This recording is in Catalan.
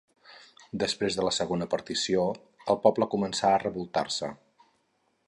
Després de la segona partició, el poble començà a revoltar-se.